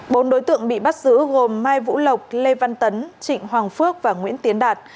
bốn đối tượng bị bắt giữ gồm mai vũ lộc lê văn tấn trịnh hoàng phước và nguyễn tiến đạt